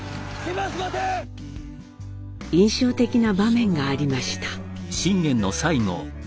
印象的な場面がありました。